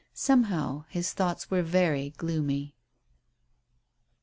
Somehow his thoughts were very gloomy.